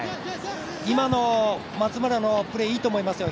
今の松村のプレーいいと思いますよ。